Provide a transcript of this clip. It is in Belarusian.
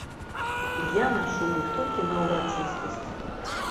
Я нашу іх толькі на ўрачыстасці.